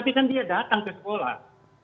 tapi kan dia datang ke sekolah